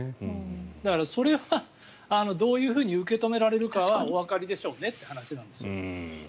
それは、どういうふうに受け止められるかはおわかりでしょうねっていう話なんですよ。